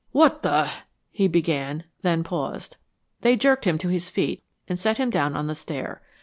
"What the !" he began; then paused. They jerked him to his feet and set him down on the stair.